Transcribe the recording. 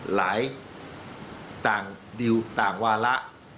หลายดิลต่างวาละ